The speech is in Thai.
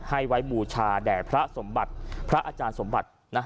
ให้ไว้บูชาแด่พระสมบัติพระอาจารย์สมบัติ